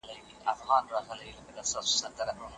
تاریخي پېښې باید په هنري بڼه بیان سي.